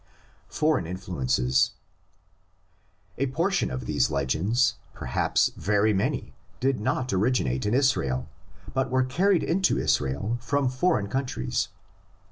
FOREIGN INFLUENCES. A portion of these legends, perhaps very many, did not originate in Israel, but were carried into Israel from foreign countries.